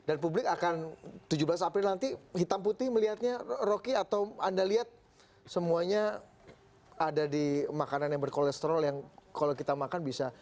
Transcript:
dan publik akan tujuh belas april nanti hitam putih melihatnya rocky atau anda lihat semuanya ada di makanan yang berkolesterol yang kalau kita makan bisa